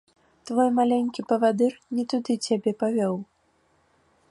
Твой маленькі павадыр не туды цябе павёў.